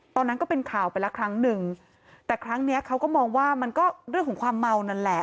ก็เป็นข่าวไปละครั้งหนึ่งแต่ครั้งเนี้ยเขาก็มองว่ามันก็เรื่องของความเมานั่นแหละ